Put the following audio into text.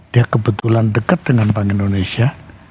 dia kebetulan dekat dengan bank indonesia